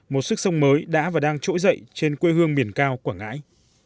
một sức sông mới đã và đang trỗi dậy trên quê hương miền cao quảng ngãi